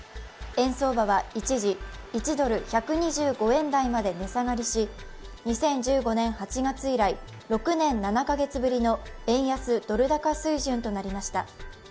円相場は一時１ドル＝１２５円台まで値下がりし、２０１５年８月以来、６年７カ月ぶりの円安ドル高水準となりました。